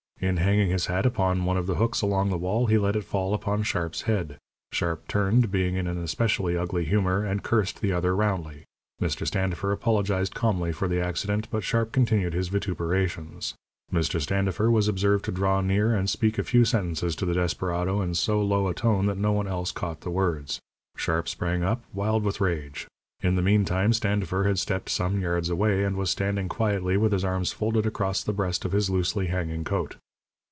In hanging his hat upon one of the hooks along the wall he let it fall upon Sharp's head. Sharp turned, being in an especially ugly humour, and cursed the other roundly. Mr. Standifer apologized calmly for the accident, but Sharp continued his vituperations. Mr. Standifer was observed to draw near and speak a few sentences to the desperado in so low a tone that no one else caught the words. Sharp sprang up, wild with rage. In the meantime Standifer had stepped some yards away, and was standing quietly with his arms folded across the breast of his loosely hanging coat.